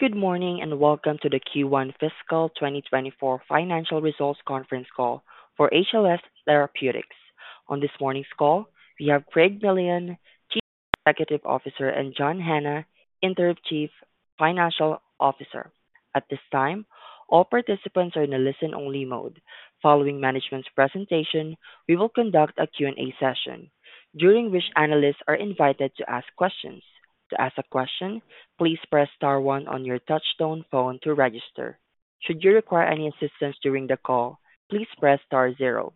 Good morning and welcome to the Q1 FY 2024 Financial Results Conference Call for HLS Therapeutics. On this morning's call, we have Craig Millian, Chief Executive Officer, and John Hanna, Interim Chief Financial Officer. At this time, all participants are in a listen-only mode. Following management's presentation, we will conduct a Q&A session, during which analysts are invited to ask questions. To ask a question, please press star one on your touch-tone phone to register. Should you require any assistance during the call, please press star zero.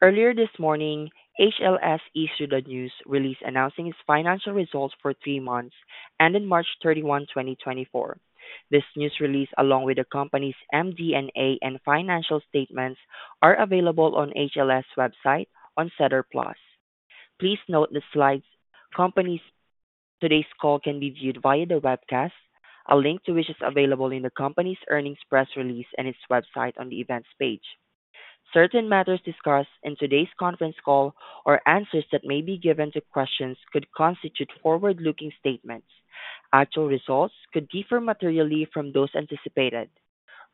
Earlier this morning, HLS issued a news release announcing its financial results for the three months ended 31 March 2024. This news release, along with the company's MD&A and financial statements, are available on HLS's website and on SEDAR+. Please note the slides: Company's earnings report. Today's call can be viewed via the webcast, a link to which is available in the company's earnings press release and its website on the events page. Certain matters discussed in today's conference call, or answers that may be given to questions, could constitute forward-looking statements. Actual results could differ materially from those anticipated.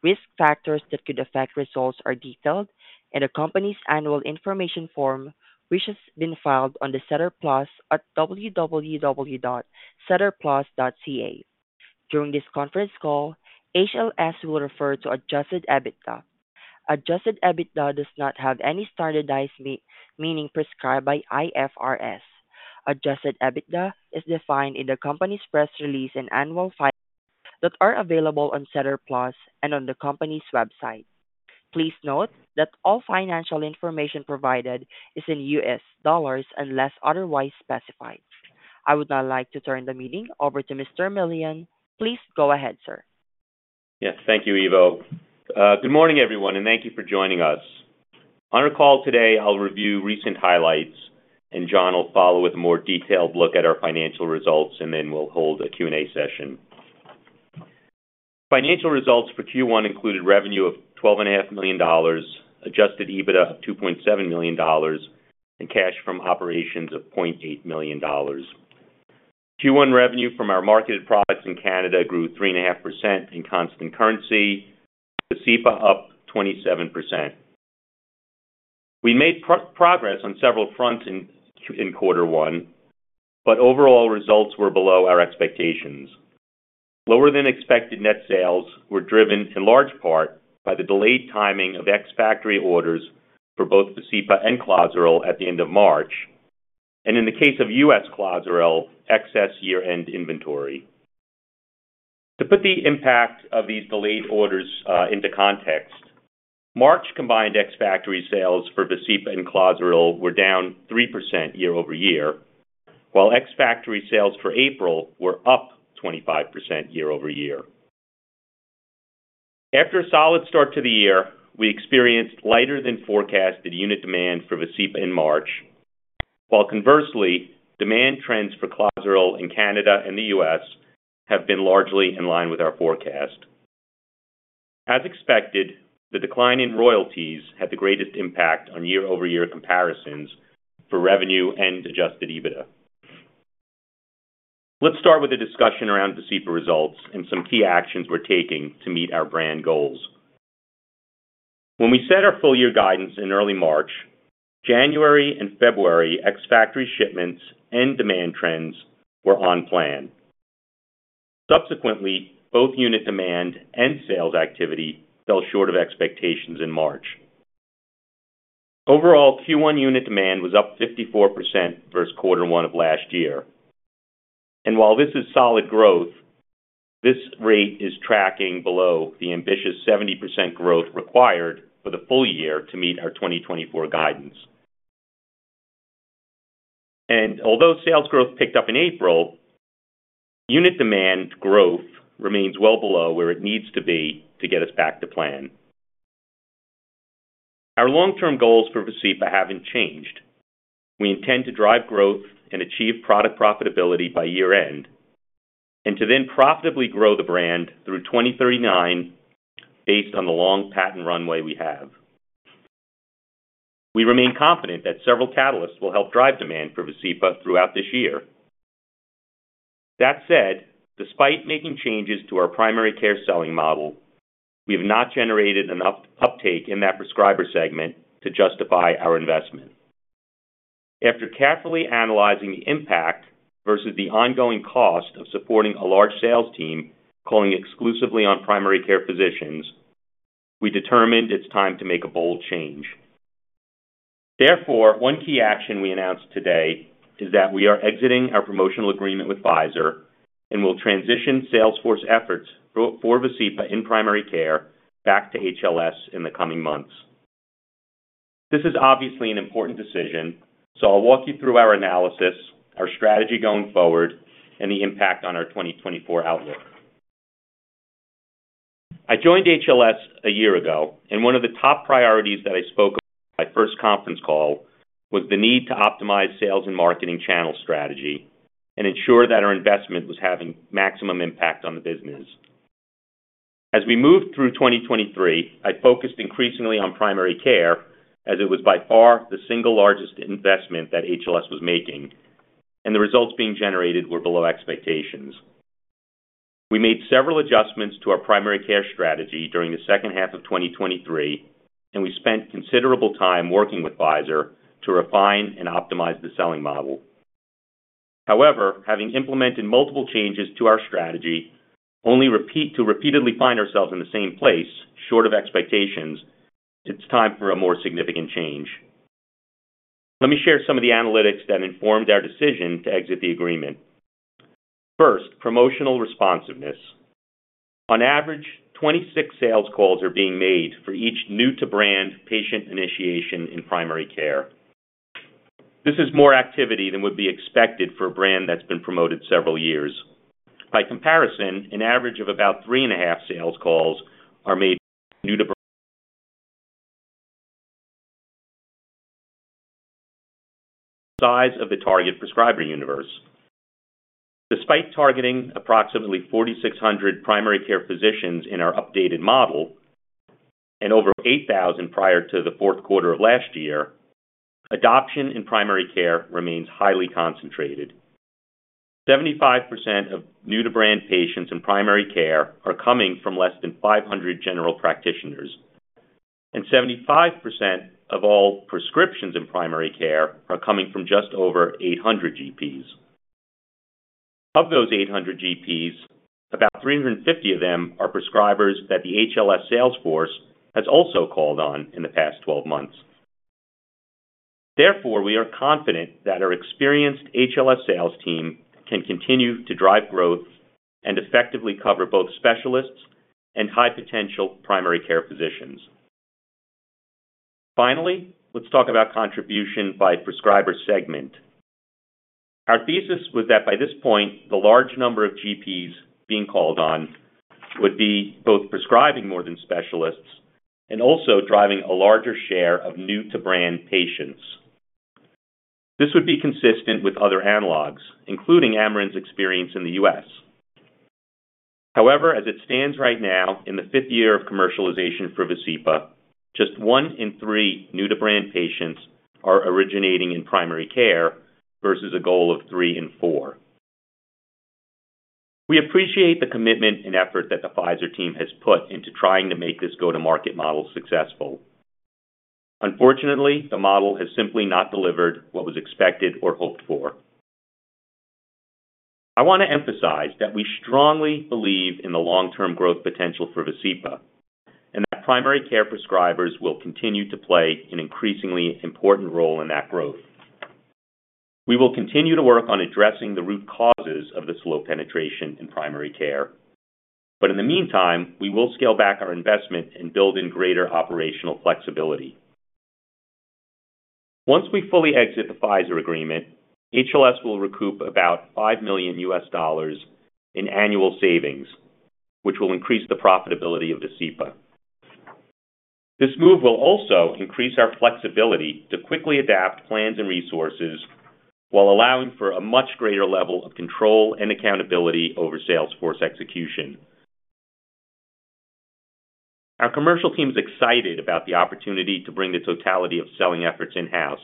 Risk factors that could affect results are detailed in the company's annual information form, which has been filed on SEDAR+ at www.sedarplus.ca. During this conference call, HLS will refer to Adjusted EBITDA. Adjusted EBITDA does not have any standardized meaning prescribed by IFRS. Adjusted EBITDA is defined in the company's press release and annual filings that are available on SEDAR+ and on the company's website. Please note that all financial information provided is in U.S. dollars unless otherwise specified. I would now like to turn the meeting over to Mr. Millian. Please go ahead, sir. Yes, thank you, Ivo. Good morning, everyone, and thank you for joining us. On our call today, I'll review recent highlights, and John will follow with a more detailed look at our financial results, and then we'll hold a Q&A session. Financial results for Q1 included revenue of $12.5 million, Adjusted EBITDA of $2.7 million, and cash from operations of $0.8 million. Q1 revenue from our marketed products in Canada grew 3.5% in constant currency, with VASCEPA up 27%. We made progress on several fronts in quarter one, but overall results were below our expectations. Lower-than-expected net sales were driven, in large part, by the delayed timing of ex-factory orders for both VASCEPA and CLOZARIL at the end of March, and in the case of U.S. CLOZARIL, excess year-end inventory. To put the impact of these delayed orders into context, March combined ex-factory sales for VASCEPA and CLOZARIL were down 3% year-over-year, while ex-factory sales for April were up 25% year-over-year. After a solid start to the year, we experienced lighter-than-forecasted unit demand for VASCEPA in March, while conversely, demand trends for CLOZARIL in Canada and the U.S. have been largely in line with our forecast. As expected, the decline in royalties had the greatest impact on year-over-year comparisons for revenue and Adjusted EBITDA. Let's start with a discussion around VASCEPA results and some key actions we're taking to meet our brand goals. When we set our full-year guidance in early March, January and February ex-factory shipments and demand trends were on plan. Subsequently, both unit demand and sales activity fell short of expectations in March. Overall, Q1 unit demand was up 54% versus quarter one of last year. While this is solid growth, this rate is tracking below the ambitious 70% growth required for the full year to meet our 2024 guidance. Although sales growth picked up in April, unit demand growth remains well below where it needs to be to get us back to plan. Our long-term goals for VASCEPA haven't changed. We intend to drive growth and achieve product profitability by year-end, and to then profitably grow the brand through 2039 based on the long patent runway we have. We remain confident that several catalysts will help drive demand for VASCEPA throughout this year. That said, despite making changes to our primary care selling model, we have not generated enough uptake in that prescriber segment to justify our investment. After carefully analyzing the impact versus the ongoing cost of supporting a large sales team calling exclusively on primary care physicians, we determined it's time to make a bold change. Therefore, one key action we announced today is that we are exiting our promotional agreement with Pfizer and will transition sales force efforts for VASCEPA in primary care back to HLS in the coming months. This is obviously an important decision, so I'll walk you through our analysis, our strategy going forward, and the impact on our 2024 outlook. I joined HLS a year ago, and one of the top priorities that I spoke about in my first conference call was the need to optimize sales and marketing channel strategy and ensure that our investment was having maximum impact on the business. As we moved through 2023, I focused increasingly on primary care as it was by far the single largest investment that HLS was making, and the results being generated were below expectations. We made several adjustments to our primary care strategy during the second half of 2023, and we spent considerable time working with Pfizer to refine and optimize the selling model. However, having implemented multiple changes to our strategy, only to repeatedly find ourselves in the same place, short of expectations, it's time for a more significant change. Let me share some of the analytics that informed our decision to exit the agreement. First, promotional responsiveness. On average, 26 sales calls are being made for each new-to-brand patient initiation in primary care. This is more activity than would be expected for a brand that's been promoted several years. By comparison, an average of about 3.5 sales calls are made for new-to-brand size of the target prescriber universe. Despite targeting approximately 4,600 primary care physicians in our updated model and over 8,000 prior to the Q4 of last year, adoption in primary care remains highly concentrated. 75% of new-to-brand patients in primary care are coming from less than 500 general practitioners, and 75% of all prescriptions in primary care are coming from just over 800 GPs. Of those 800 GPs, about 350 of them are prescribers that the HLS sales force has also called on in the past 12 months. Therefore, we are confident that our experienced HLS sales team can continue to drive growth and effectively cover both specialists and high-potential primary care physicians. Finally, let's talk about contribution by prescriber segment. Our thesis was that by this point, the large number of GPs being called on would be both prescribing more than specialists and also driving a larger share of new-to-brand patients. This would be consistent with other analogs, including Amarin's experience in the U.S. However, as it stands right now in the fifth year of commercialization for VASCEPA, just one in three new-to-brand patients are originating in primary care versus a goal of three in four. We appreciate the commitment and effort that the Pfizer team has put into trying to make this go-to-market model successful. Unfortunately, the model has simply not delivered what was expected or hoped for. I want to emphasize that we strongly believe in the long-term growth potential for VASCEPA and that primary care prescribers will continue to play an increasingly important role in that growth. We will continue to work on addressing the root causes of this low penetration in primary care, but in the meantime, we will scale back our investment and build in greater operational flexibility. Once we fully exit the Pfizer agreement, HLS will recoup about $5 million in annual savings, which will increase the profitability of VASCEPA. This move will also increase our flexibility to quickly adapt plans and resources while allowing for a much greater level of control and accountability over salesforce execution. Our commercial team is excited about the opportunity to bring the totality of selling efforts in-house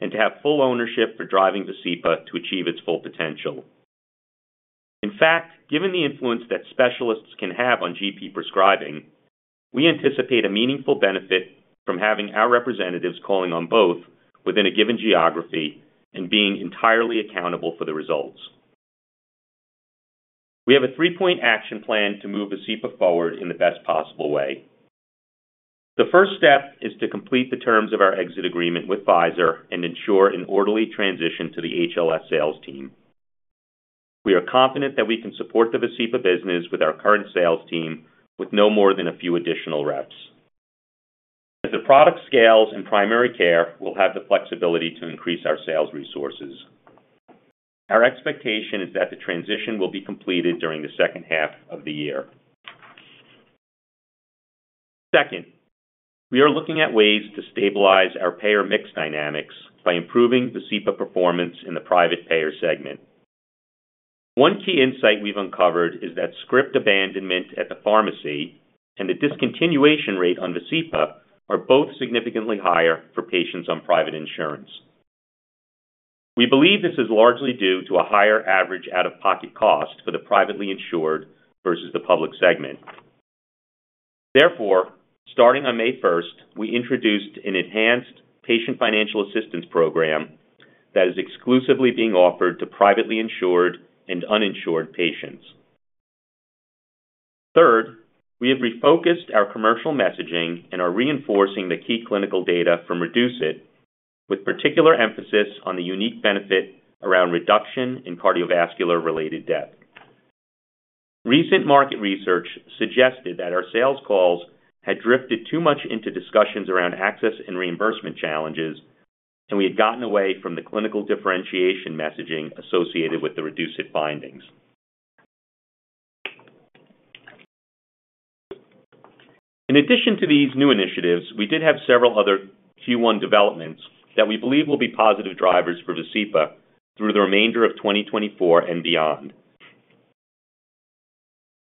and to have full ownership for driving VASCEPA to achieve its full potential. In fact, given the influence that specialists can have on GP prescribing, we anticipate a meaningful benefit from having our representatives calling on both within a given geography and being entirely accountable for the results. We have a three-point action plan to move VASCEPA forward in the best possible way. The first step is to complete the terms of our exit agreement with Pfizer and ensure an orderly transition to the HLS sales team. We are confident that we can support the VASCEPA business with our current sales team with no more than a few additional reps. As the product scales in primary care, we'll have the flexibility to increase our sales resources. Our expectation is that the transition will be completed during the second half of the year. Second, we are looking at ways to stabilize our payer mix dynamics by improving VASCEPA performance in the private payer segment. One key insight we've uncovered is that script abandonment at the pharmacy and the discontinuation rate on VASCEPA are both significantly higher for patients on private insurance. We believe this is largely due to a higher average out-of-pocket cost for the privately insured versus the public segment. Therefore, starting on 1 May 2024, we introduced an enhanced patient financial assistance program that is exclusively being offered to privately insured and uninsured patients. Third, we have refocused our commercial messaging and are reinforcing the key clinical data from REDUCE-IT, with particular emphasis on the unique benefit around reduction in cardiovascular-related death. Recent market research suggested that our sales calls had drifted too much into discussions around access and reimbursement challenges, and we had gotten away from the clinical differentiation messaging associated with the REDUCE-IT findings. In addition to these new initiatives, we did have several other Q1 developments that we believe will be positive drivers for VASCEPA through the remainder of 2024 and beyond.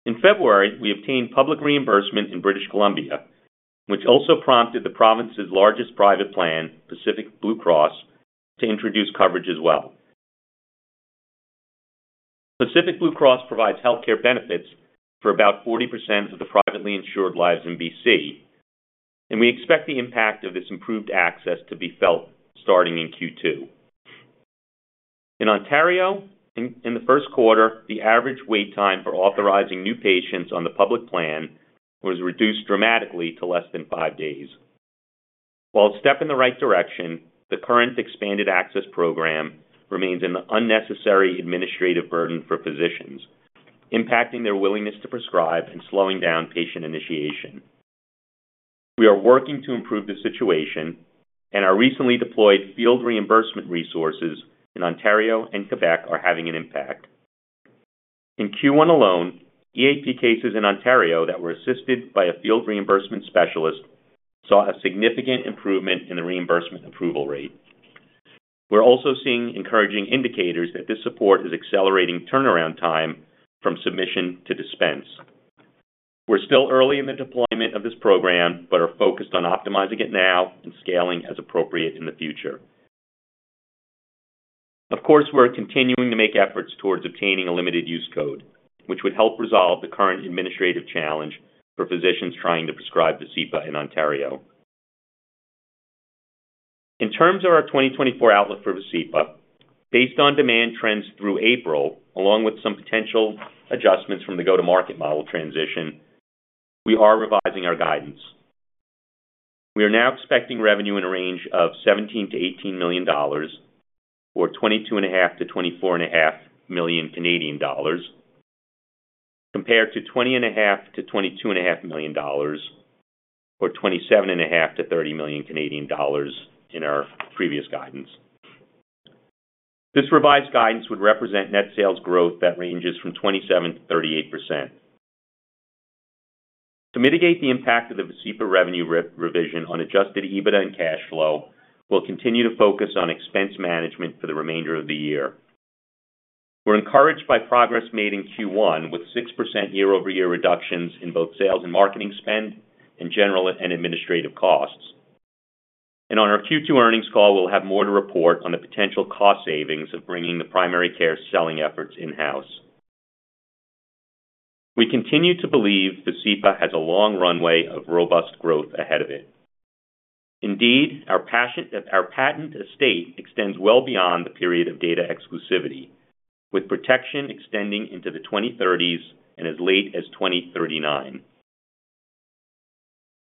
In February, we obtained public reimbursement in British Columbia, which also prompted the province's largest private plan, Pacific Blue Cross, to introduce coverage as well. Pacific Blue Cross provides healthcare benefits for about 40% of the privately insured lives in BC, and we expect the impact of this improved access to be felt starting in Q2. In Ontario, in the Q1, the average wait time for authorizing new patients on the public plan was reduced dramatically to less than five days. While a step in the right direction, the current expanded access program remains an unnecessary administrative burden for physicians, impacting their willingness to prescribe and slowing down patient initiation. We are working to improve the situation, and our recently deployed field reimbursement resources in Ontario and Quebec are having an impact. In Q1 alone, EAP cases in Ontario that were assisted by a field reimbursement specialist saw a significant improvement in the reimbursement approval rate. We're also seeing encouraging indicators that this support is accelerating turnaround time from submission to dispense. We're still early in the deployment of this program but are focused on optimizing it now and scaling as appropriate in the future. Of course, we're continuing to make efforts towards obtaining a limited use code, which would help resolve the current administrative challenge for physicians trying to prescribe VASCEPA in Ontario. In terms of our 2024 outlook for VASCEPA, based on demand trends through April, along with some potential adjustments from the go-to-market model transition, we are revising our guidance. We are now expecting revenue in a range of $17 to $18 million or $22.5 to $24.5 million compared to $20.5 to $22.5 million or $27.5 to $30 million in our previous guidance. This revised guidance would represent net sales growth that ranges from 27% to 38%. To mitigate the impact of the VASCEPA revenue revision on adjusted EBITDA and cash flow, we'll continue to focus on expense management for the remainder of the year. We're encouraged by progress made in Q1 with 6% year-over-year reductions in both sales and marketing spend and general and administrative costs. On our Q2 earnings call, we'll have more to report on the potential cost savings of bringing the primary care selling efforts in-house. We continue to believe VASCEPA has a long runway of robust growth ahead of it. Indeed, our patent estate extends well beyond the period of data exclusivity, with protection extending into the 2030s and as late as 2039.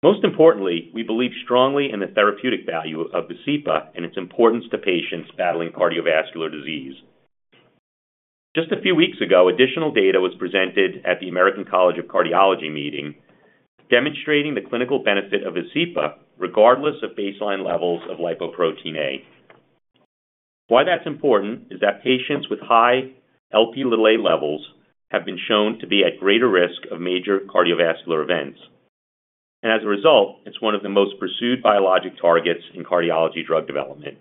Most importantly, we believe strongly in the therapeutic value of VASCEPA and its importance to patients battling cardiovascular disease. Just a few weeks ago, additional data was presented at the American College of Cardiology meeting demonstrating the clinical benefit of VASCEPA regardless of baseline levels of Lipoprotein(a). Why that's important is that patients with high Lp(a) levels have been shown to be at greater risk of major cardiovascular events, and as a result, it's one of the most pursued biologic targets in cardiology drug development.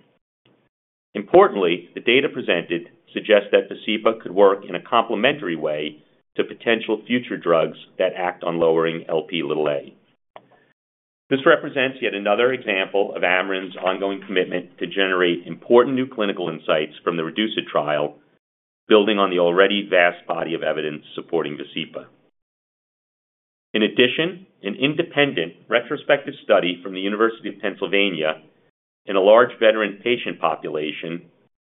Importantly, the data presented suggests that VASCEPA could work in a complementary way to potential future drugs that act on lowering Lp(a). This represents yet another example of Amarin's ongoing commitment to generate important new clinical insights from the REDUCE-IT trial, building on the already vast body of evidence supporting VASCEPA. In addition, an independent retrospective study from the University of Pennsylvania in a large veteran patient population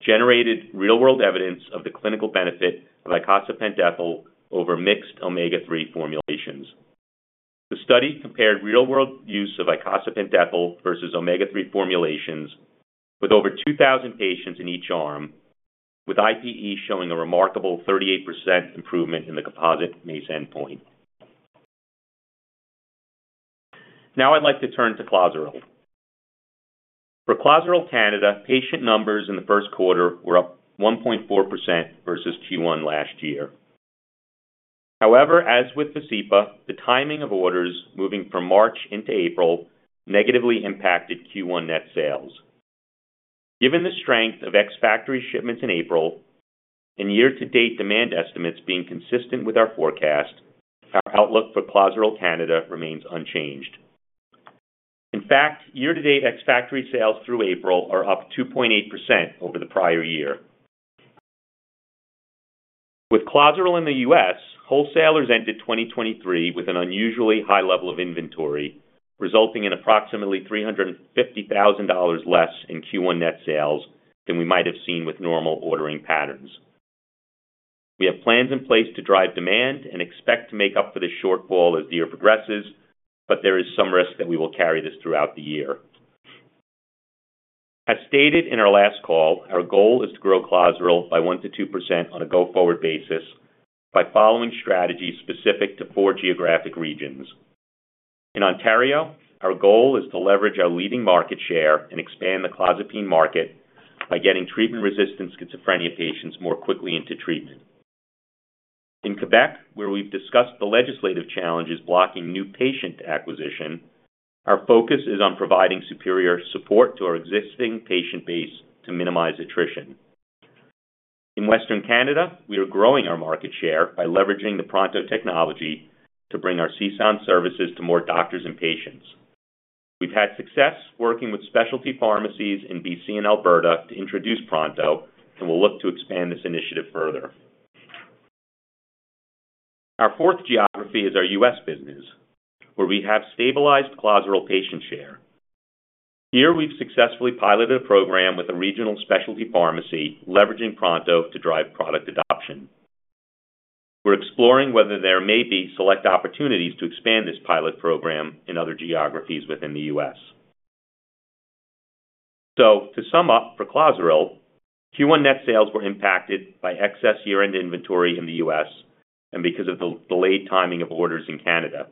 generated real-world evidence of the clinical benefit of icosapent ethyl over mixed omega-3 formulations. The study compared real-world use of icosapent ethyl versus omega-3 formulations with over 2,000 patients in each arm, with IPE showing a remarkable 38% improvement in the composite MACE endpoint. Now I'd like to turn to CLOZARIL. For CLOZARIL Canada, patient numbers in the Q1 were up 1.4% versus Q1 last year. However, as with VASCEPA, the timing of orders moving from March into April negatively impacted Q1 net sales. Given the strength of ex-factory shipments in April and year-to-date demand estimates being consistent with our forecast, our outlook for CLOZARIL Canada remains unchanged. In fact, year-to-date ex-factory sales through April are up 2.8% over the prior year. With CLOZARIL in the U.S., wholesalers entered 2023 with an unusually high level of inventory, resulting in approximately $350,000 less in Q1 net sales than we might have seen with normal ordering patterns. We have plans in place to drive demand and expect to make up for this shortfall as the year progresses, but there is some risk that we will carry this throughout the year. As stated in our last call, our goal is to grow CLOZARIL by 1% to 2% on a go-forward basis by following strategies specific to four geographic regions. In Ontario, our goal is to leverage our leading market share and expand the clozapine market by getting treatment-resistant schizophrenia patients more quickly into treatment. In Quebec, where we've discussed the legislative challenges blocking new patient acquisition, our focus is on providing superior support to our existing patient base to minimize attrition. In Western Canada, we are growing our market share by leveraging the Pronto technology to bring our CSAN services to more doctors and patients. We've had success working with specialty pharmacies in BC and Alberta to introduce Pronto, and we'll look to expand this initiative further. Our fourth geography is our U.S. business, where we have stabilized CLOZARIL patient share. Here, we've successfully piloted a program with a regional specialty pharmacy leveraging Pronto to drive product adoption. We're exploring whether there may be select opportunities to expand this pilot program in other geographies within the U.S.. So, to sum up for CLOZARIL, Q1 net sales were impacted by excess year-end inventory in the U.S. and because of the delayed timing of orders in Canada,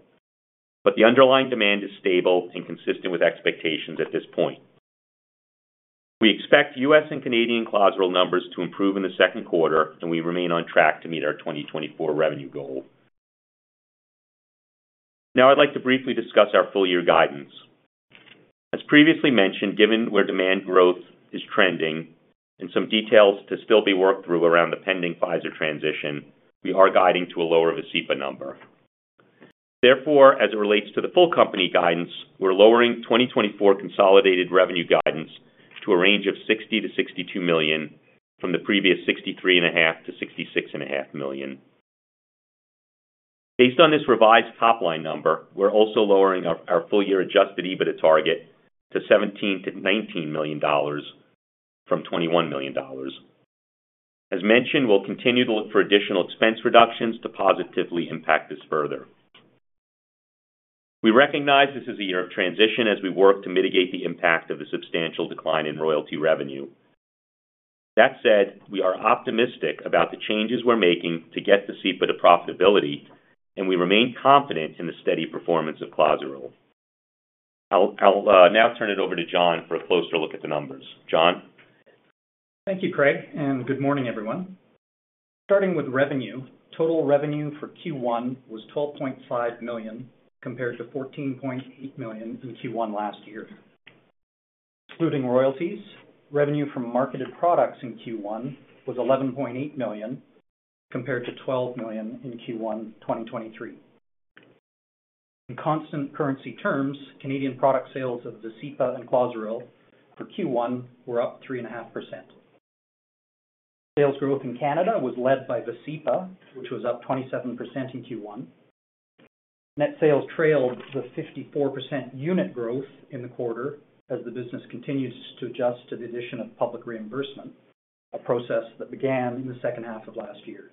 but the underlying demand is stable and consistent with expectations at this point. We expect U.S and Canadian CLOZARIL numbers to improve in the Q2, and we remain on track to meet our 2024 revenue goal. Now I'd like to briefly discuss our full-year guidance. As previously mentioned, given where demand growth is trending and some details to still be worked through around the pending Pfizer transition, we are guiding to a lower VASCEPA number. Therefore, as it relates to the full-company guidance, we're lowering 2024 consolidated revenue guidance to a range of 60 million to 62 million from the previous 63.5 million to 66.5 million. Based on this revised top-line number, we're also lowering our full-year Adjusted EBITDA target to $17 million to $19 million from $21 million. As mentioned, we'll continue to look for additional expense reductions to positively impact this further. We recognize this is a year of transition as we work to mitigate the impact of the substantial decline in royalty revenue. That said, we are optimistic about the changes we're making to get VASCEPA to profitability, and we remain confident in the steady performance of CLOZARIL. I'll now turn it over to John for a closer look at the numbers. John? Thank you, Craig, and good morning, everyone. Starting with revenue, total revenue for Q1 was 12.5 million compared to 14.8 million in Q1 last year. Excluding royalties, revenue from marketed products in Q1 was 11.8 million compared to 12 million in Q1 2023. In constant currency terms, Canadian product sales of VASCEPA and CLOZARIL for Q1 were up 3.5%. Sales growth in Canada was led by VASCEPA, which was up 27% in Q1. Net sales trailed the 54% unit growth in the quarter as the business continued to adjust to the addition of public reimbursement, a process that began in the second half of last year.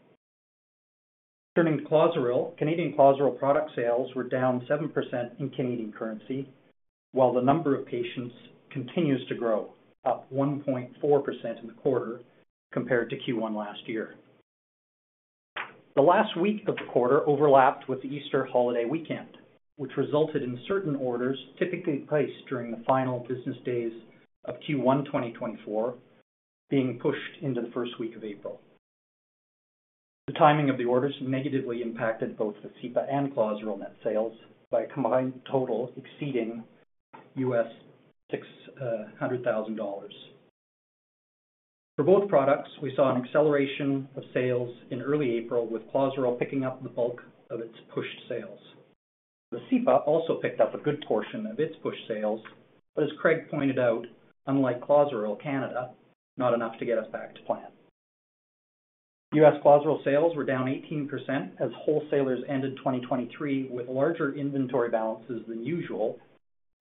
Turning to CLOZARIL, Canadian CLOZARIL product sales were down 7% in Canadian currency, while the number of patients continues to grow, up 1.4% in the quarter compared to Q1 last year. The last week of the quarter overlapped with the Easter holiday weekend, which resulted in certain orders typically placed during the final business days of Q1 2024 being pushed into the first week of April. The timing of the orders negatively impacted both VASCEPA and CLOZARIL net sales by a combined total exceeding $600,000. For both products, we saw an acceleration of sales in early April, with CLOZARIL picking up the bulk of its pushed sales. VASCEPA also picked up a good portion of its pushed sales, but as Craig pointed out, unlike CLOZARIL Canada, not enough to get us back to plan. U.S. CLOZARIL sales were down 18% as wholesalers ended 2023 with larger inventory balances than usual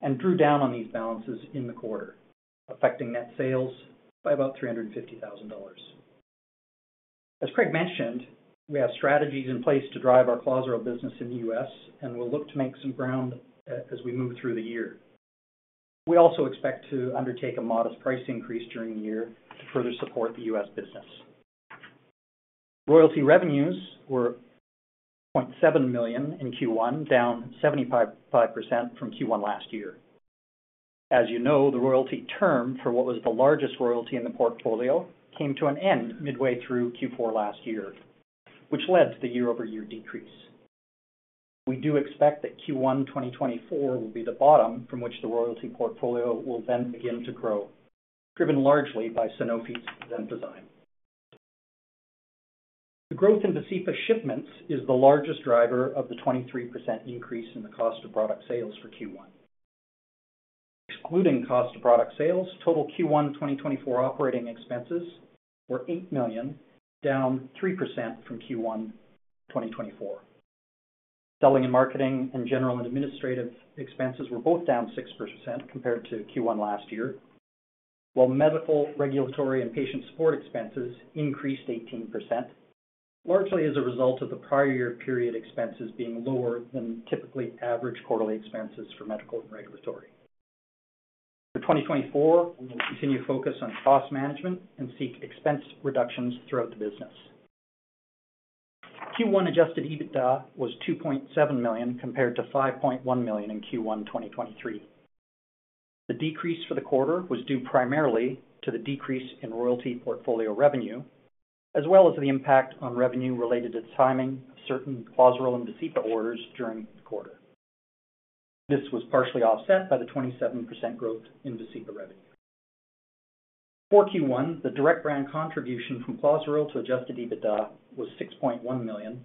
and drew down on these balances in the quarter, affecting net sales by about $350,000. As Craig mentioned, we have strategies in place to drive our CLOZARIL business in the U.S., and we'll look to make some ground as we move through the year. We also expect to undertake a modest price increase during the year to further support the U.S. business. Royalty revenues were 0.7 million in Q1, down 75% from Q1 last year. As you know, the royalty term for what was the largest royalty in the portfolio came to an end midway through Q4 last year, which led to the year-over-year decrease. We do expect that Q1 2024 will be the bottom from which the royalty portfolio will then begin to grow, driven largely by Sanofi's Xenpozyme. The growth in VASCEPA shipments is the largest driver of the 23% increase in the cost of product sales for Q1. Excluding cost of product sales, total Q1 2024 operating expenses were 8 million, down 3% from Q1 2024. Selling and marketing and general and administrative expenses were both down 6% compared to Q1 last year, while medical, regulatory, and patient support expenses increased 18%, largely as a result of the prior-year period expenses being lower than typically average quarterly expenses for medical and regulatory. For 2024, we will continue to focus on cost management and seek expense reductions throughout the business. Q1 Adjusted EBITDA was 2.7 million compared to 5.1 million in Q1 2023. The decrease for the quarter was due primarily to the decrease in royalty portfolio revenue as well as the impact on revenue related to timing of certain CLOZARIL and VASCEPA orders during the quarter. This was partially offset by the 27% growth in VASCEPA revenue. For Q1, the direct brand contribution from CLOZARIL to Adjusted EBITDA was 6.1 million,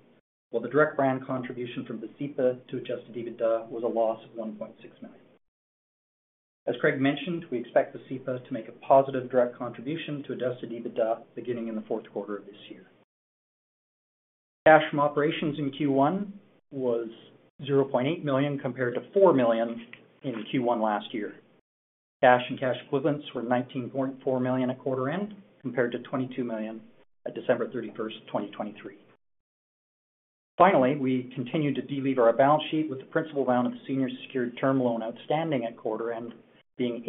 while the direct brand contribution from VASCEPA to Adjusted EBITDA was a loss of 1.6 million. As Craig mentioned, we expect VASCEPA to make a positive direct contribution to Adjusted EBITDA beginning in the Q4 of this year. Cash from operations in Q1 was 0.8 million compared to 4 million in Q1 last year. Cash and cash equivalents were 19.4 million at quarter end compared to 22 million at December 31st, 2023. Finally, we continue to deleverage our balance sheet with the principal paydown of the senior secured term loan outstanding at quarter end being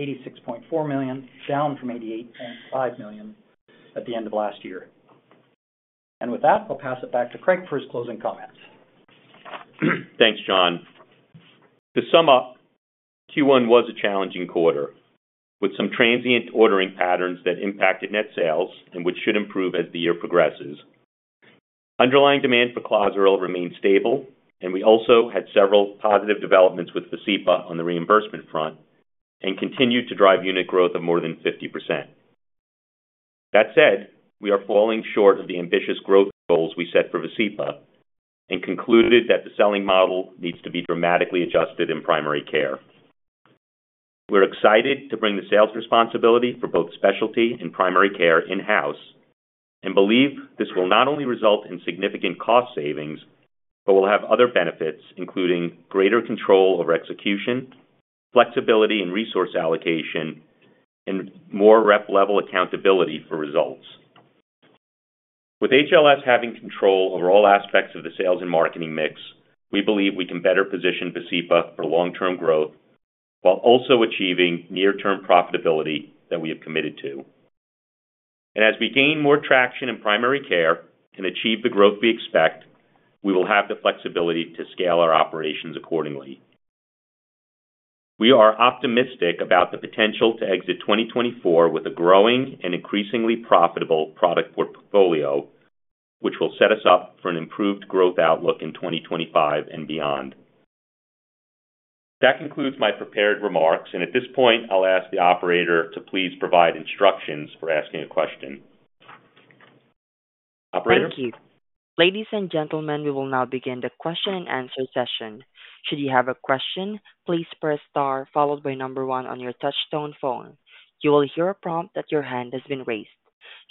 86.4 million, down from 88.5 million at the end of last year. And with that, I'll pass it back to Craig for his closing comments. Thanks, John. To sum up, Q1 was a challenging quarter with some transient ordering patterns that impacted net sales and which should improve as the year progresses. Underlying demand for CLOZARIL remained stable, and we also had several positive developments with VASCEPA on the reimbursement front and continued to drive unit growth of more than 50%. That said, we are falling short of the ambitious growth goals we set for VASCEPA and concluded that the selling model needs to be dramatically adjusted in primary care. We're excited to bring the sales responsibility for both specialty and primary care in-house and believe this will not only result in significant cost savings but will have other benefits, including greater control over execution, flexibility in resource allocation, and more rep-level accountability for results. With HLS having control over all aspects of the sales and marketing mix, we believe we can better position VASCEPA for long-term growth while also achieving near-term profitability that we have committed to. As we gain more traction in primary care and achieve the growth we expect, we will have the flexibility to scale our operations accordingly. We are optimistic about the potential to exit 2024 with a growing and increasingly profitable product portfolio, which will set us up for an improved growth outlook in 2025 and beyond. That concludes my prepared remarks, and at this point, I'll ask the operator to please provide instructions for asking a question. Operator? Thank you. Ladies and gentlemen, we will now begin the question-and-answer session. Should you have a question, please press star followed by number one on your touch-tone phone. You will hear a prompt that your hand has been raised.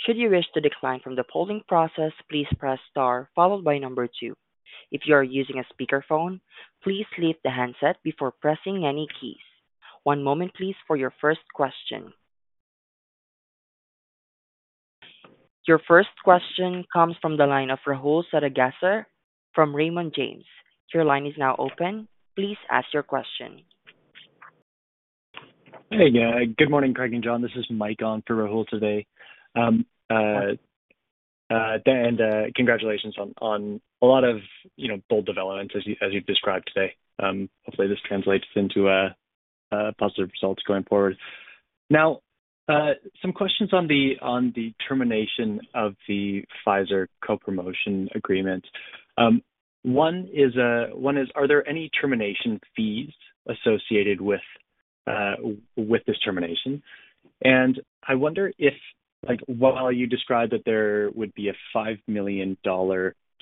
Should you wish to decline from the polling process, please press star followed by number two. If you are using a speakerphone, please leave the handset before pressing any keys. One moment, please, for your first question. Your first question comes from the line of Rahul Sarugaser from Raymond James. Your line is now open. Please ask your question. Hey, good morning, Craig and John. This is Mike on for Rahul today. Congratulations on a lot of bold developments as you've described today. Hopefully, this translates into positive results going forward. Now, some questions on the termination of the Pfizer co-promotion agreement. One is, are there any termination fees associated with this termination? And I wonder if, while you described that there would be a $5 million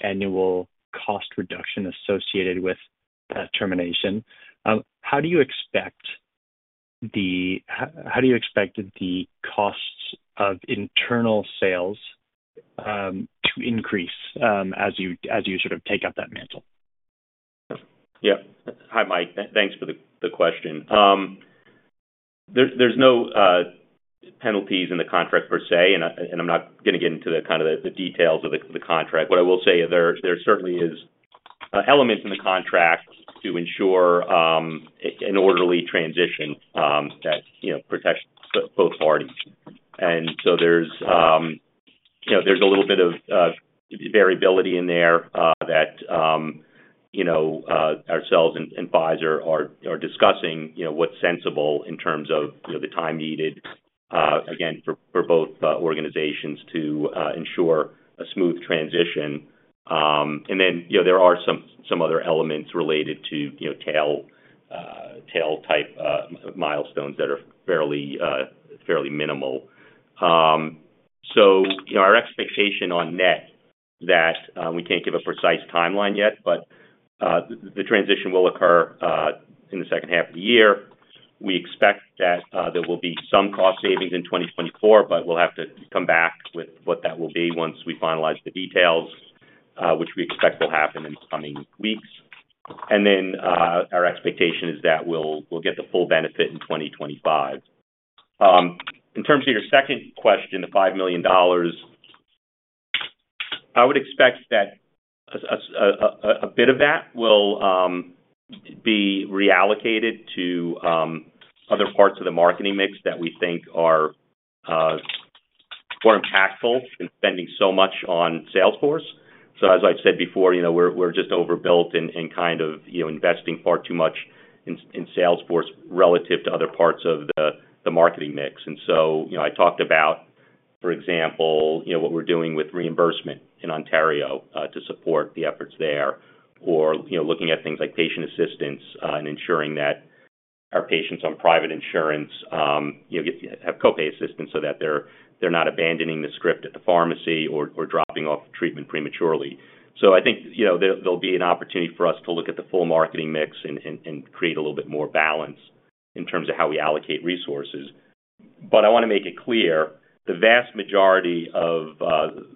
annual cost reduction associated with that termination, how do you expect the costs of internal sales to increase as you sort of take up that mantle? Yeah. Hi, Mike. Thanks for the question. There's no penalties in the contract per se, and I'm not going to get into kind of the details of the contract. What I will say is there certainly are elements in the contract to ensure an orderly transition that protects both parties. And so there's a little bit of variability in there that ourselves and Pfizer are discussing, what's sensible in terms of the time needed, again, for both organizations to ensure a smooth transition. And then there are some other elements related to tail-type milestones that are fairly minimal. So our expectation on net that we can't give a precise timeline yet, but the transition will occur in the second half of the year. We expect that there will be some cost savings in 2024, but we'll have to come back with what that will be once we finalize the details, which we expect will happen in the coming weeks. And then our expectation is that we'll get the full benefit in 2025. In terms of your second question, the $5 million, I would expect that a bit of that will be reallocated to other parts of the marketing mix that we think are more impactful in spending so much on Salesforce. So as I've said before, we're just overbuilt in kind of investing far too much in Salesforce relative to other parts of the marketing mix. And so I talked about, for example, what we're doing with reimbursement in Ontario to support the efforts there, or looking at things like patient assistance and ensuring that our patients on private insurance have copay assistance so that they're not abandoning the script at the pharmacy or dropping off treatment prematurely. So I think there'll be an opportunity for us to look at the full marketing mix and create a little bit more balance in terms of how we allocate resources. But I want to make it clear, the vast majority of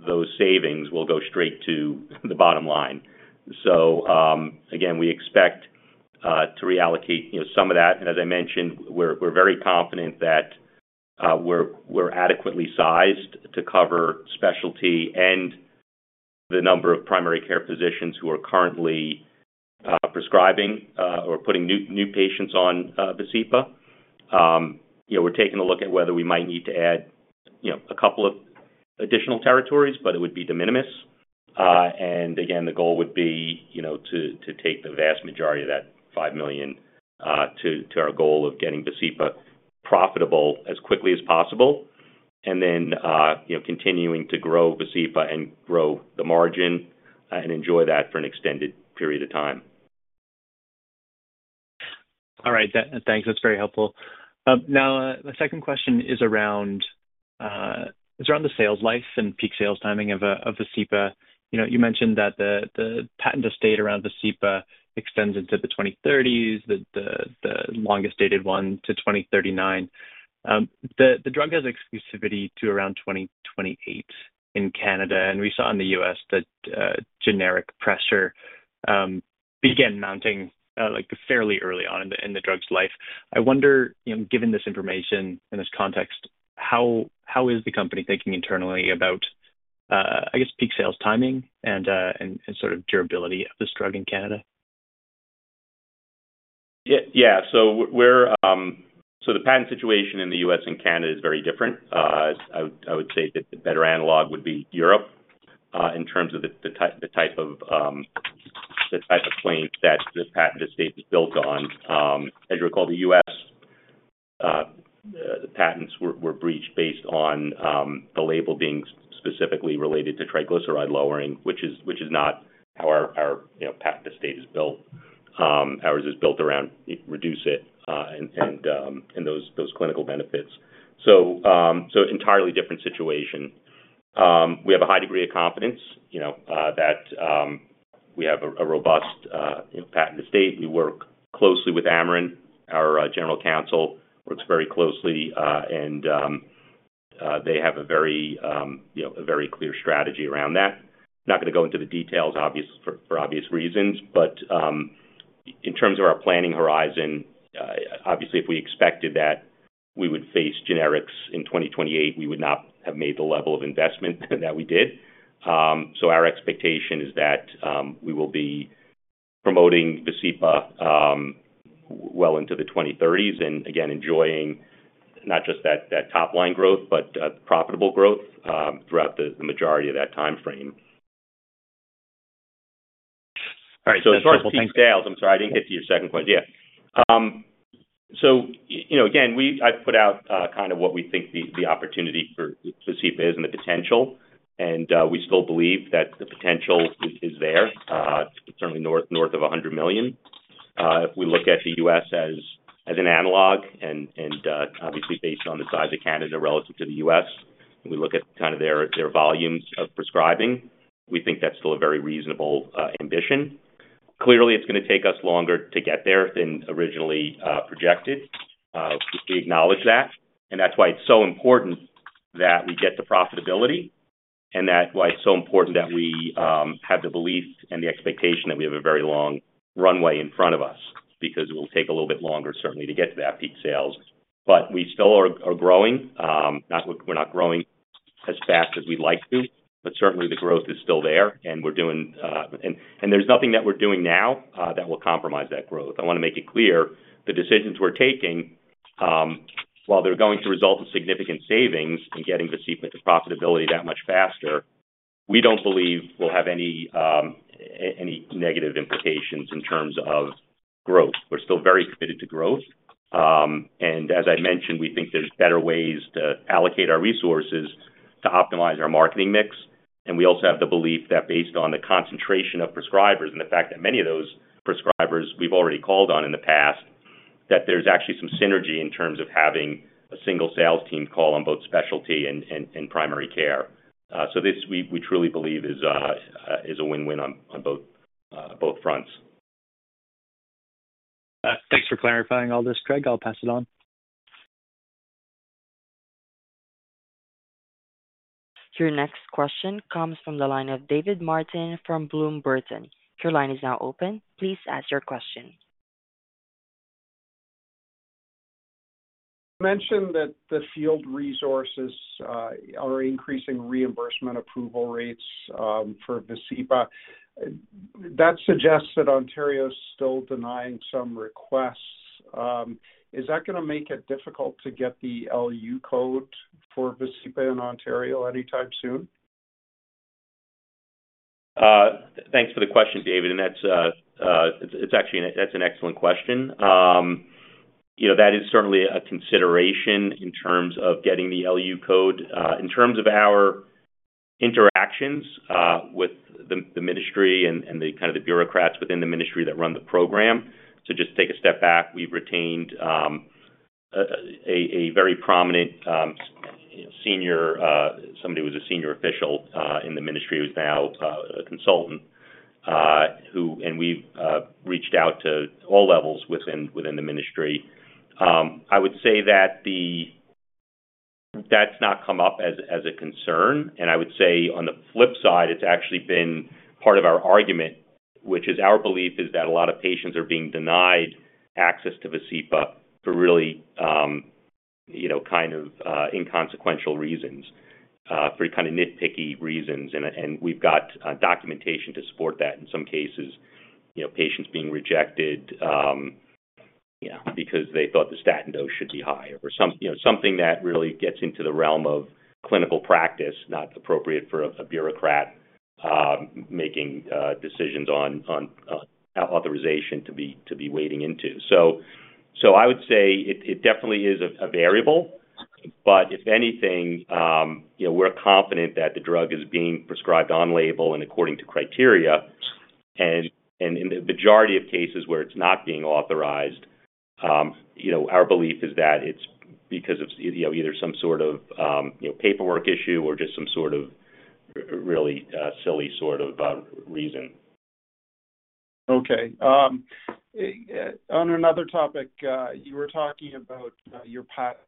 those savings will go straight to the bottom line. So again, we expect to reallocate some of that. And as I mentioned, we're very confident that we're adequately sized to cover specialty and the number of primary care physicians who are currently prescribing or putting new patients on VASCEPA. We're taking a look at whether we might need to add a couple of additional territories, but it would be de minimis. Again, the goal would be to take the vast majority of that 5 million to our goal of getting VASCEPA profitable as quickly as possible and then continuing to grow VASCEPA and grow the margin and enjoy that for an extended period of time. All right. Thanks. That's very helpful. Now, my second question is around the sales life and peak sales timing of VASCEPA. You mentioned that the patent estate around VASCEPA extends into the 2030s, the longest-dated one to 2039. The drug has exclusivity to around 2028 in Canada, and we saw in the U.S. that generic pressure began mounting fairly early on in the drug's life. I wonder, given this information and this context, how is the company thinking internally about, I guess, peak sales timing and sort of durability of this drug in Canada? Yeah. So the patent situation in the U.S. and Canada is very different. I would say that the better analog would be Europe in terms of the type of claim that the patent estate is built on. As you recall, the U.S. patents were breached based on the label being specifically related to triglyceride lowering, which is not how our patent estate is built. Ours is built around reducing it and those clinical benefits. So entirely different situation. We have a high degree of confidence that we have a robust patent estate. We work closely with Amarin. Our general counsel works very closely, and they have a very clear strategy around that. Not going to go into the details, obviously, for obvious reasons. But in terms of our planning horizon, obviously, if we expected that we would face generics in 2028, we would not have made the level of investment that we did. So our expectation is that we will be promoting VASCEPA well into the 2030s and, again, enjoying not just that top-line growth, but profitable growth throughout the majority of that timeframe. All right. So as far as. So as far as peak sales, I'm sorry. I didn't get to your second question. Yeah. So again, I've put out kind of what we think the opportunity for VASCEPA is and the potential. And we still believe that the potential is there, certainly north of 100 million. If we look at the U.S. as an analog and obviously based on the size of Canada relative to the U.S., and we look at kind of their volumes of prescribing, we think that's still a very reasonable ambition. Clearly, it's going to take us longer to get there than originally projected. We acknowledge that. And that's why it's so important that we get the profitability and that's why it's so important that we have the belief and the expectation that we have a very long runway in front of us because it will take a little bit longer, certainly, to get to that peak sales. But we still are growing. We're not growing as fast as we'd like to, but certainly, the growth is still there, and we're doing and there's nothing that we're doing now that will compromise that growth. I want to make it clear, the decisions we're taking, while they're going to result in significant savings in getting VASCEPA to profitability that much faster, we don't believe will have any negative implications in terms of growth. We're still very committed to growth. And as I mentioned, we think there's better ways to allocate our resources to optimize our marketing mix. We also have the belief that based on the concentration of prescribers and the fact that many of those prescribers we've already called on in the past, that there's actually some synergy in terms of having a single sales team call on both specialty and primary care. This, we truly believe, is a win-win on both fronts. Thanks for clarifying all this, Craig. I'll pass it on. Your next question comes from the line of David Martin from Bloom Burton. Your line is now open. Please ask your question. You mentioned that the field resources are increasing reimbursement approval rates for VASCEPA. That suggests that Ontario is still denying some requests. Is that going to make it difficult to get the LU code for VASCEPA in Ontario anytime soon? Thanks for the question, David. That's actually an excellent question. That is certainly a consideration in terms of getting the LU code. In terms of our interactions with the ministry and kind of the bureaucrats within the ministry that run the program, to just take a step back, we've retained a very prominent senior somebody who was a senior official in the ministry who's now a consultant, and we've reached out to all levels within the ministry. I would say that that's not come up as a concern. I would say, on the flip side, it's actually been part of our argument, which is our belief is that a lot of patients are being denied access to VASCEPA for really kind of inconsequential reasons, for kind of nitpicky reasons. We've got documentation to support that, in some cases, patients being rejected because they thought the statin dose should be higher or something that really gets into the realm of clinical practice, not appropriate for a bureaucrat making decisions on authorization to be weighing into. I would say it definitely is a variable. If anything, we're confident that the drug is being prescribed on label and according to criteria. In the majority of cases where it's not being authorized, our belief is that it's because of either some sort of paperwork issue or just some sort of really silly sort of reason. Okay. On another topic, you were talking about your patent.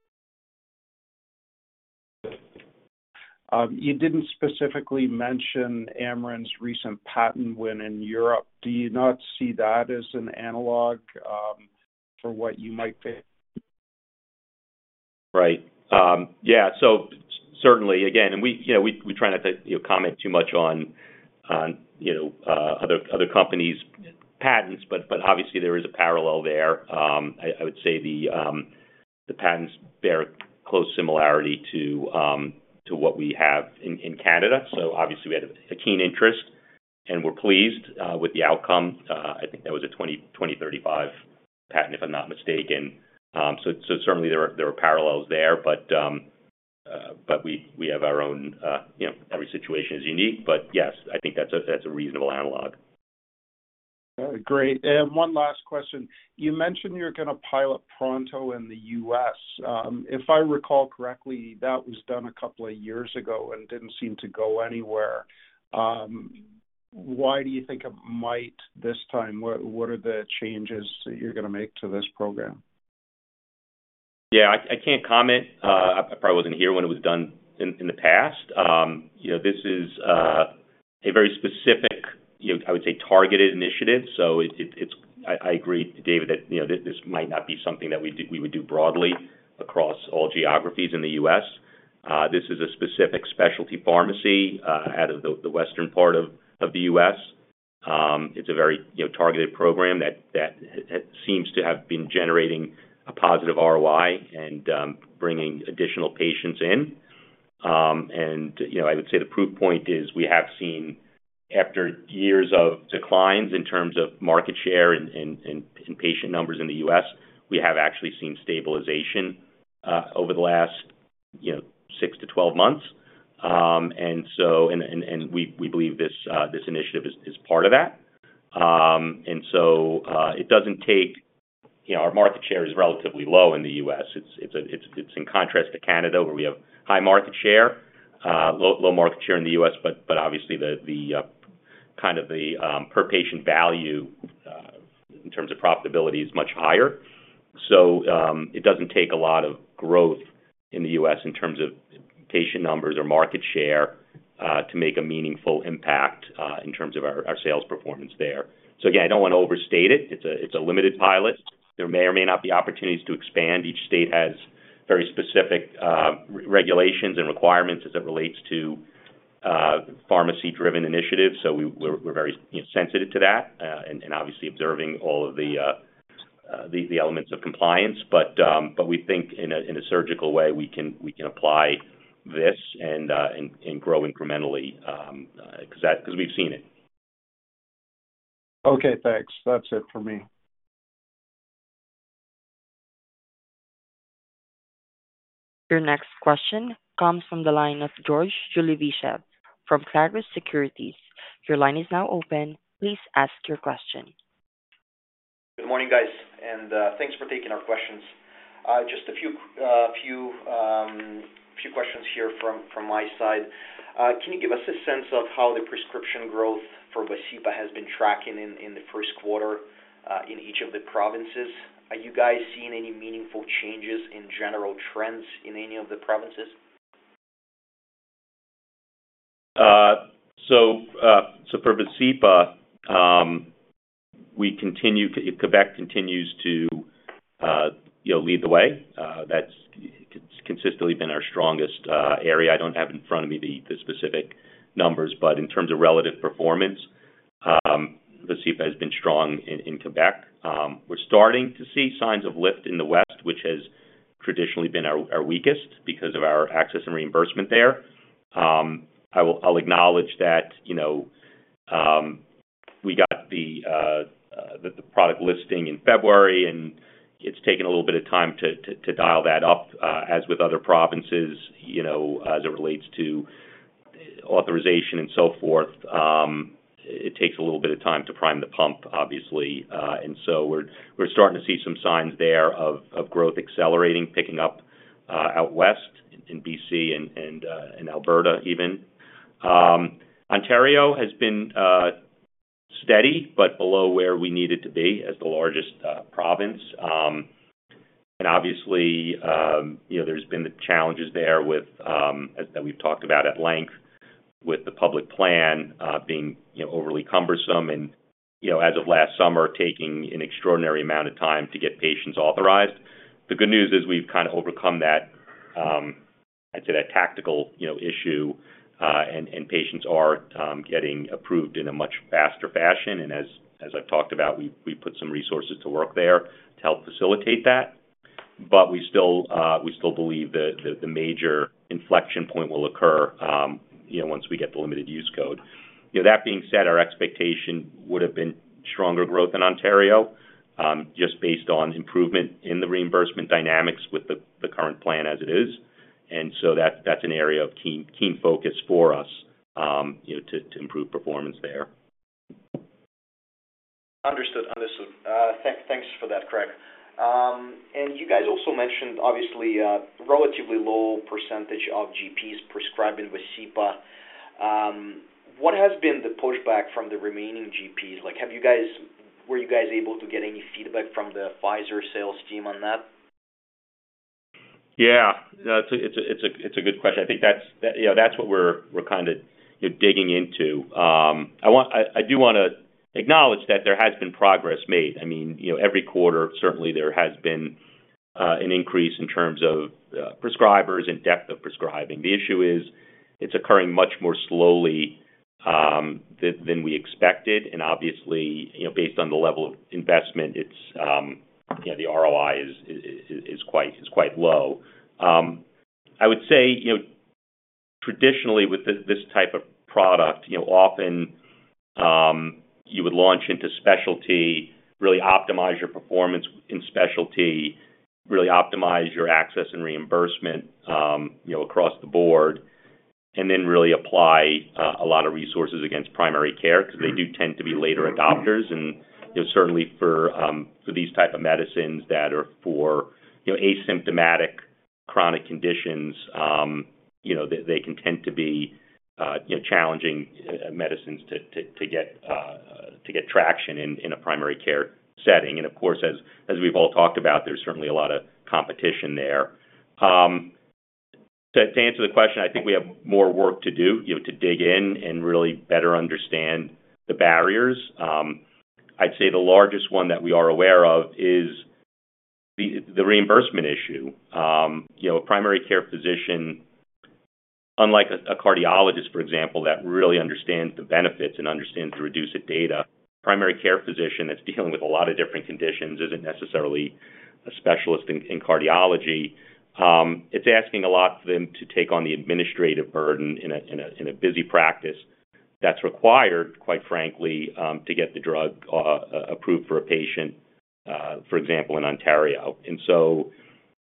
You didn't specifically mention Amarin's recent patent win in Europe. Do you not see that as an analog for what you might face? Right. Yeah. So certainly, again, and we try not to comment too much on other companies' patents, but obviously, there is a parallel there. I would say the patents bear close similarity to what we have in Canada. So obviously, we had a keen interest, and we're pleased with the outcome. I think that was a 2035 patent, if I'm not mistaken. So certainly, there are parallels there, but we have our own. Every situation is unique. But yes, I think that's a reasonable analog. All right. Great. One last question. You mentioned you're going to pilot Pronto in the U.S.. If I recall correctly, that was done a couple of years ago and didn't seem to go anywhere. Why do you think it might this time? What are the changes that you're going to make to this program? Yeah. I can't comment. I probably wasn't here when it was done in the past. This is a very specific, I would say, targeted initiative. So I agree, David, that this might not be something that we would do broadly across all geographies in the U.S. This is a specific specialty pharmacy out of the western part of the U.S. It's a very targeted program that seems to have been generating a positive ROI and bringing additional patients in. And I would say the proof point is we have seen, after years of declines in terms of market share and patient numbers in the U.S., we have actually seen stabilization over the last six to 12 months. And so it doesn't take. Our market share is relatively low in the U.S. It's in contrast to Canada, where we have high market share, low market share in the U.S., but obviously, kind of the per-patient value in terms of profitability is much higher. So it doesn't take a lot of growth in the U.S. in terms of patient numbers or market share to make a meaningful impact in terms of our sales performance there. So again, I don't want to overstate it. It's a limited pilot. There may or may not be opportunities to expand. Each state has very specific regulations and requirements as it relates to pharmacy-driven initiatives. So we're very sensitive to that and obviously observing all of the elements of compliance. But we think, in a surgical way, we can apply this and grow incrementally because we've seen it. Okay. Thanks. That's it for me. Your next question comes from the line of George Ulybyshev from Clarus Securities. Your line is now open. Please ask your question. Good morning, guys. Thanks for taking our questions. Just a few questions here from my side. Can you give us a sense of how the prescription growth for VASCEPA has been tracking in the Q1 in each of the provinces? Are you guys seeing any meaningful changes in general trends in any of the provinces? So for VASCEPA, Quebec continues to lead the way. That's consistently been our strongest area. I don't have in front of me the specific numbers, but in terms of relative performance, VASCEPA has been strong in Quebec. We're starting to see signs of lift in the west, which has traditionally been our weakest because of our access and reimbursement there. I'll acknowledge that we got the product listing in February, and it's taken a little bit of time to dial that up. As with other provinces, as it relates to authorization and so forth, it takes a little bit of time to prime the pump, obviously. And so we're starting to see some signs there of growth accelerating, picking up out west in BC and Alberta even. Ontario has been steady but below where we needed to be as the largest province. Obviously, there's been the challenges there with, as we've talked about at length, with the public plan being overly cumbersome and, as of last summer, taking an extraordinary amount of time to get patients authorized. The good news is we've kind of overcome that, I'd say, that tactical issue, and patients are getting approved in a much faster fashion. As I've talked about, we've put some resources to work there to help facilitate that. But we still believe the major inflection point will occur once we get the limited use code. That being said, our expectation would have been stronger growth in Ontario just based on improvement in the reimbursement dynamics with the current plan as it is. So that's an area of keen focus for us to improve performance there. Understood. Understood. Thanks for that, Craig. And you guys also mentioned, obviously, a relatively low percentage of GPs prescribing VASCEPA. What has been the pushback from the remaining GPs? Were you guys able to get any feedback from the Pfizer sales team on that? Yeah. It's a good question. I think that's what we're kind of digging into. I do want to acknowledge that there has been progress made. I mean, every quarter, certainly, there has been an increase in terms of prescribers and depth of prescribing. The issue is it's occurring much more slowly than we expected. And obviously, based on the level of investment, the ROI is quite low. I would say, traditionally, with this type of product, often you would launch into specialty, really optimize your performance in specialty, really optimize your access and reimbursement across the board, and then really apply a lot of resources against primary care because they do tend to be later adopters. And certainly, for these type of medicines that are for asymptomatic chronic conditions, they can tend to be challenging medicines to get traction in a primary care setting. And of course, as we've all talked about, there's certainly a lot of competition there. To answer the question, I think we have more work to do to dig in and really better understand the barriers. I'd say the largest one that we are aware of is the reimbursement issue. A primary care physician, unlike a cardiologist, for example, that really understands the benefits and understands the REDUCE-IT data, a primary care physician that's dealing with a lot of different conditions isn't necessarily a specialist in cardiology. It's asking a lot for them to take on the administrative burden in a busy practice that's required, quite frankly, to get the drug approved for a patient, for example, in Ontario. And so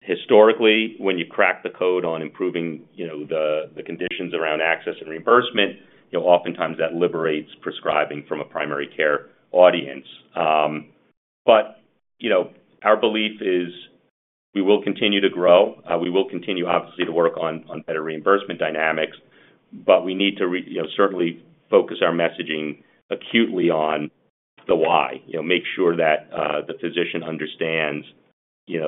historically, when you crack the code on improving the conditions around access and reimbursement, oftentimes that liberates prescribing from a primary care audience. But our belief is we will continue to grow. We will continue, obviously, to work on better reimbursement dynamics, but we need to certainly focus our messaging acutely on the why, make sure that the physician understands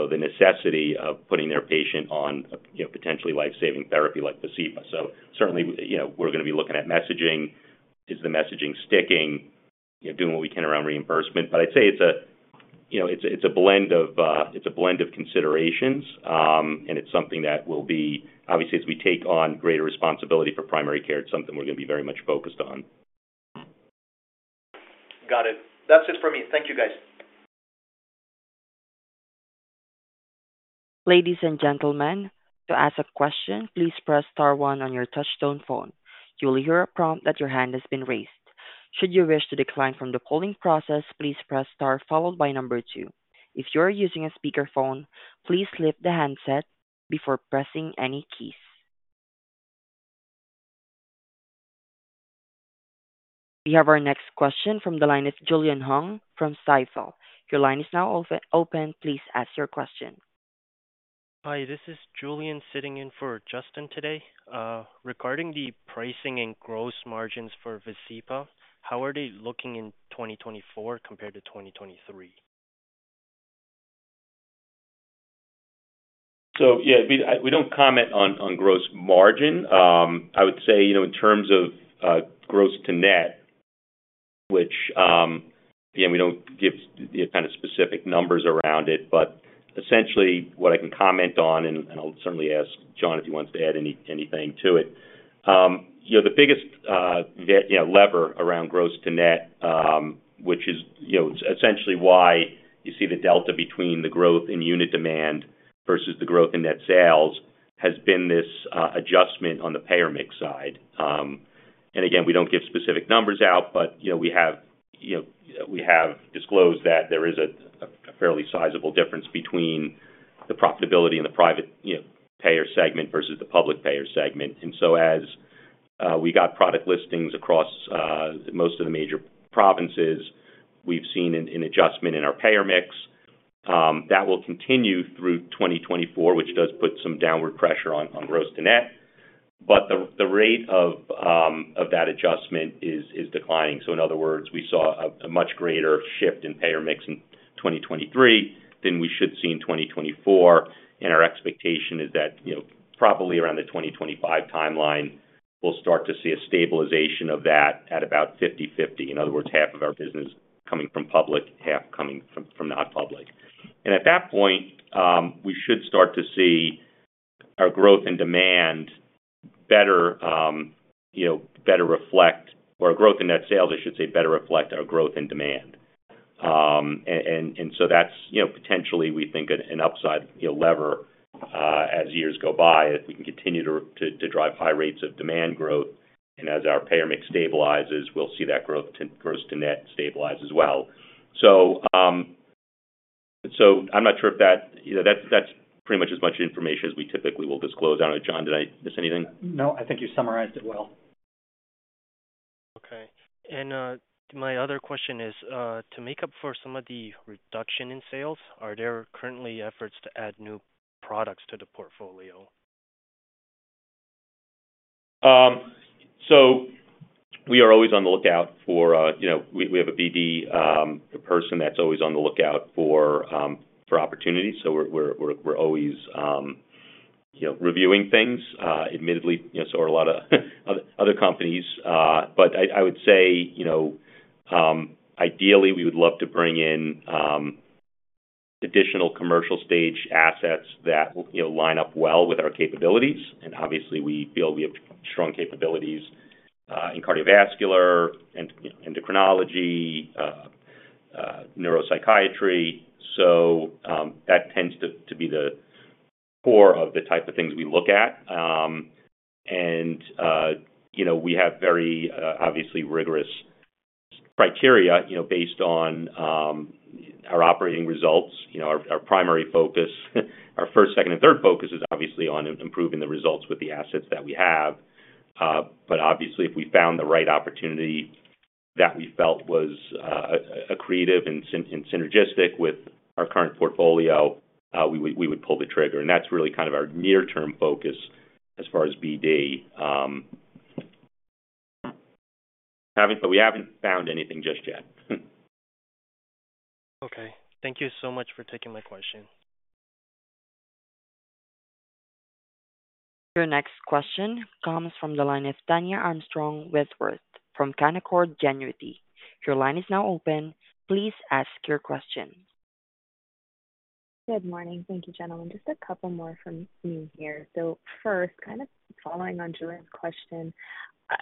the necessity of putting their patient on potentially lifesaving therapy like VASCEPA. So certainly, we're going to be looking at messaging. Is the messaging sticking? Doing what we can around reimbursement. But I'd say it's a blend of it's a blend of considerations, and it's something that will be obviously, as we take on greater responsibility for primary care, it's something we're going to be very much focused on. Got it. That's it for me. Thank you, guys. Ladies and gentlemen, to ask a question, please press star one on your touch-tone phone. You will hear a prompt that your hand has been raised. Should you wish to decline from the polling process, please press star followed by number two. If you are using a speakerphone, please lift the handset before pressing any keys. We have our next question from the line of Julian Hung from Stifel. Your line is now open. Please ask your question. Hi. This is Julian sitting in for Justin today. Regarding the pricing and gross margins for VASCEPA, how are they looking in 2024 compared to 2023? So yeah, we don't comment on gross margin. I would say in terms of gross to net, which again, we don't give kind of specific numbers around it. But essentially, what I can comment on, and I'll certainly ask John if he wants to add anything to it, the biggest lever around gross to net, which is essentially why you see the delta between the growth in unit demand versus the growth in net sales, has been this adjustment on the payer mix side. And again, we don't give specific numbers out, but we have disclosed that there is a fairly sizable difference between the profitability in the private payer segment versus the public payer segment. And so as we got product listings across most of the major provinces, we've seen an adjustment in our payer mix. That will continue through 2024, which does put some downward pressure on gross to net. But the rate of that adjustment is declining. So in other words, we saw a much greater shift in payer mix in 2023 than we should see in 2024. Our expectation is that probably around the 2025 timeline, we'll start to see a stabilization of that at about fifty fifty. In other words, half of our business coming from public, half coming from not public. At that point, we should start to see our growth in demand better reflect or our growth in net sales, I should say, better reflect our growth in demand. So that's potentially, we think, an upside lever as years go by if we can continue to drive high rates of demand growth. And as our payer mix stabilizes, we'll see that gross to net stabilize as well. So, I'm not sure if that's pretty much as much information as we typically will disclose. I don't know, John, did I miss anything? No, I think you summarized it well. Okay. And my other question is, to make up for some of the reduction in sales, are there currently efforts to add new products to the portfolio? So we are always on the lookout. We have a BD person that's always on the lookout for opportunities. So we're always reviewing things, admittedly, so are a lot of other companies. But I would say, ideally, we would love to bring in additional commercial stage assets that line up well with our capabilities. And obviously, we feel we have strong capabilities in cardiovascular, endocrinology, neuropsychiatry. So that tends to be the core of the type of things we look at. And we have very, obviously, rigorous criteria based on our operating results. Our primary focus, our first, second, and third focus is obviously on improving the results with the assets that we have. But obviously, if we found the right opportunity that we felt was accretive and synergistic with our current portfolio, we would pull the trigger. That's really kind of our near-term focus as far as BD. We haven't found anything just yet. Okay. Thank you so much for taking my question. Your next question comes from the line of Tania Armstrong-Whitworth from Canaccord Genuity. Your line is now open. Please ask your question. Good morning. Thank you, gentlemen. Just a couple more from me here. So first, kind of following on Julian's question,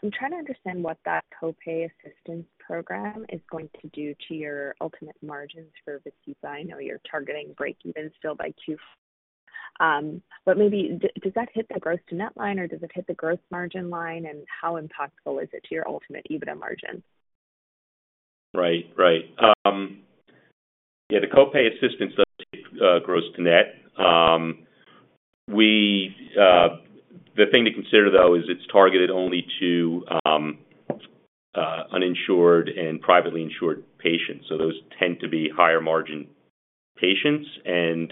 I'm trying to understand what that copay assistance program is going to do to your ultimate margins for VASCEPA. I know you're targeting break-even still by Q4. But does that hit the gross-to-net line, or does it hit the gross-margin line, and how impactful is it to your ultimate EBITDA margin? Right. Right. Yeah, the copay assistance does hit gross-to-net. The thing to consider, though, is it's targeted only to uninsured and privately insured patients. So those tend to be higher-margin patients. And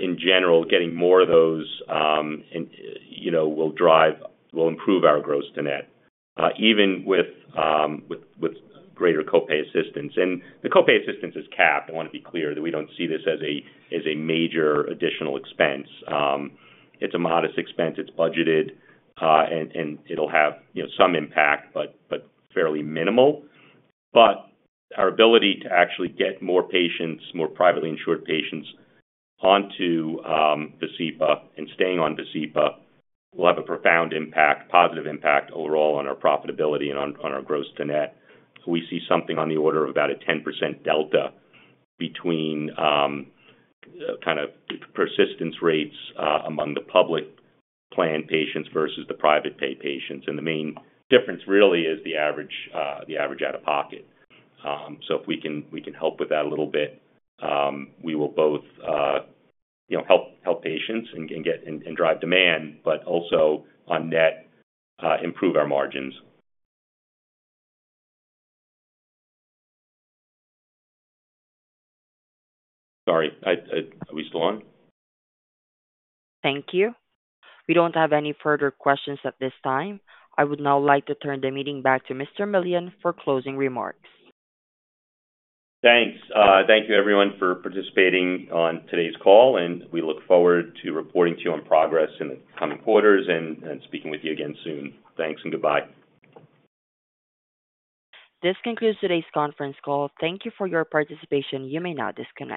in general, getting more of those will improve our gross-to-net even with greater copay assistance. And the copay assistance is capped. I want to be clear that we don't see this as a major additional expense. It's a modest expense. It's budgeted. And it'll have some impact, but fairly minimal. But our ability to actually get more patients, more privately insured patients, onto VASCEPA and staying on VASCEPA will have a profound impact, positive impact overall on our profitability and on our gross-to-net. We see something on the order of about a 10% delta between kind of persistence rates among the public plan patients versus the private pay patients. And the main difference really is the average out-of-pocket. So if we can help with that a little bit, we will both help patients and drive demand, but also on net, improve our margins. Sorry. Are we still on? Thank you. We don't have any further questions at this time. I would now like to turn the meeting back to Mr. Millian for closing remarks. Thanks. Thank you, everyone, for participating on today's call. We look forward to reporting to you on progress in the coming quarters and speaking with you again soon. Thanks and goodbye. This concludes today's conference call. Thank you for your participation. You may now disconnect.